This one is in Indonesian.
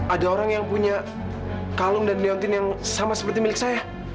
ada orang yang punya kalung dan leontin yang sama seperti milik saya